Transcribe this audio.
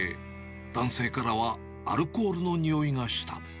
男性からはアルコールのにおいがした。